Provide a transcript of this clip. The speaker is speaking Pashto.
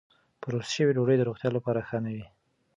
پروسس شوې ډوډۍ د روغتیا لپاره ښه نه ده.